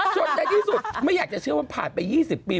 โชคได้ที่สุดไม่อยากเชื่อว่าผ่านไป๒๐ปี